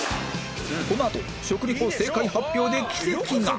このあと食リポ正解発表で奇跡が！？